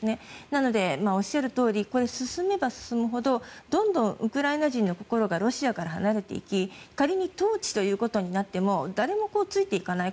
なので、おっしゃるとおり進めば進むほどどんどんウクライナ人の心がロシアから離れていき仮に統治ということになっても誰もついていかない